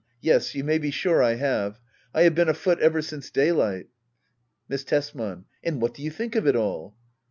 Yes, you may be sure I have. I have been afoot ever since daylight. Miss Tesman. And what do you think of it all